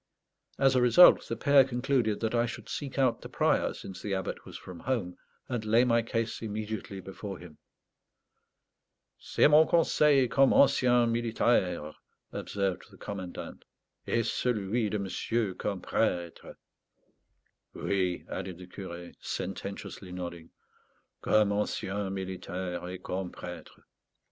As a result the pair concluded that I should seek out the Prior, since the Abbot was from home, and lay my case immediately before him. "C'est mon conseil comme ancien militaire," observed the commandant; "et celui de monsieur comme prêtre." "Oui," added the curé, sententiously nodding; "comme ancien militaire et comme prêtre."